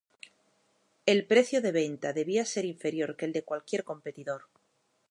El precio de venta debía ser inferior que el de cualquier competidor.